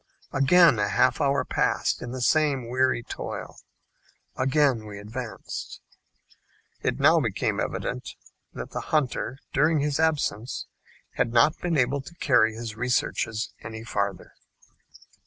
Again a half hour passed in the same weary toil. Again we advanced. It now became evident that the hunter, during his absence, had not been able to carry his researches any farther.